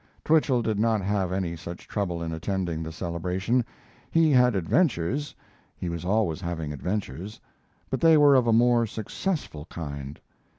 Twichell did not have any such trouble in attending the celebration. He had adventures (he was always having adventures), but they were of a more successful kind.